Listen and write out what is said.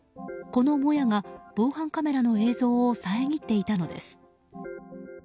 このもやが防犯カメラの映像を遮っていたのです。